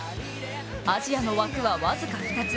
アジアの枠は僅か２つ。